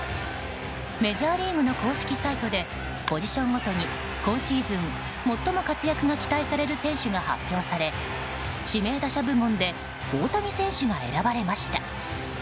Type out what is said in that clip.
メジャーリーグの公式サイトでポジションごとに今シーズン最も活躍が期待される選手が発表され指名打者部門で大谷選手が選ばれました。